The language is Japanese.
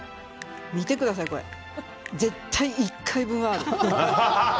見てください、これ絶対、１回分はある。